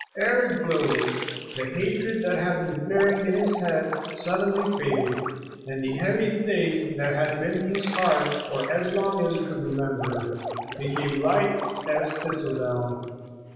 Eric glowed. The hatred that had been flaring in his head suddenly faded, and the heavy thing that had been his heart for as long as he could remember, became light as thistledown.